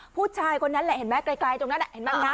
ผู้ชายคนนั้นแหละเห็นไหมไกลตรงนั้นเห็นไหม